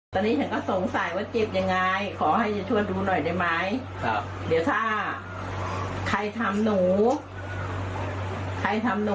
แผลกใจว่าข้างในมีสี่ช้ำ